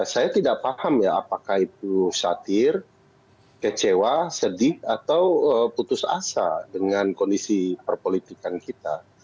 saya tidak paham ya apakah itu satir kecewa sedih atau putus asa dengan kondisi perpolitikan kita